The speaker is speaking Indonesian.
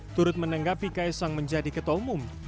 turut menanggapi kaesang menjadi ketua umum